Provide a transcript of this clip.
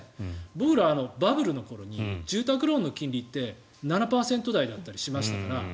僕ら、バブルの頃に住宅ローンの金利って７％台だったりしましたから。